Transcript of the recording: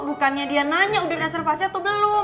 bukannya dia nanya udah direservasi atau belum